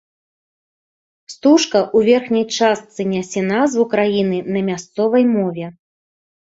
Стужка ў верхняй частцы нясе назву краіны на мясцовай мове.